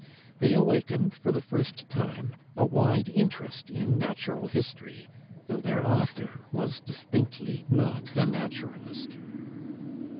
They awakened for the first time a wide interest in natural history, though their author was distinctly not a naturalist.